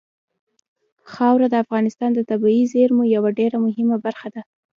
خاوره د افغانستان د طبیعي زیرمو یوه ډېره مهمه برخه ده.